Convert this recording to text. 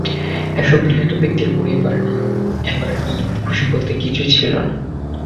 এসব নিহত ব্যক্তির পরিবারে এবার ঈদের খুশি বলতে কিছুই ছিল না।